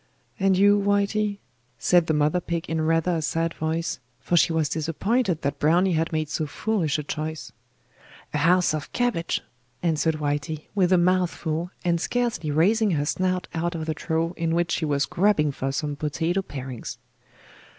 'And you, Whitey?' said the mother pig in rather a sad voice, for she was disappointed that Browny had made so foolish a choice. 'A house of cabbage,' answered Whitey, with a mouth full, and scarcely raising her snout out of the trough in which she was grubbing for some potato parings.